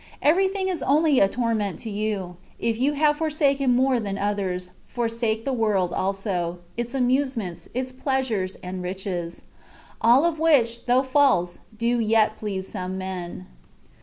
Everything is only a torment to you ; if you have forsaken more than others, forsake the world also, its amusements, its pleasures, and riches ; all of which, though false, do yet please some men.